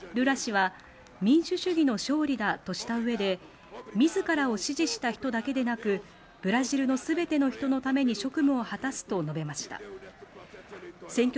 ルラ氏は民主主義の勝利だとした上で、みずからを支持した人だけでなく、ブラジルのすべての人のために職務を果たすと述べました。